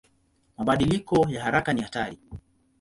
Mabadiliko ya haraka ni hatari.